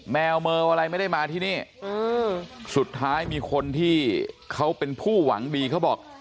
แมวเมออะไรไม่ได้มาที่นี่สุดท้ายมีคนที่เขาเป็นผู้หวังดีเขาบอก